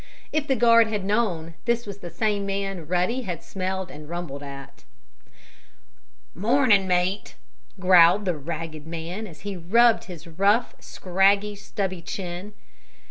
If the guard had known, this was the same man Ruddy had smelled and rumbled at. "Mornin' mate!" growled the ragged man, as he rubbed his rough, scraggy, stubby chin.